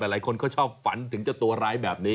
หลายคนเขาชอบฝันถึงเจ้าตัวร้ายแบบนี้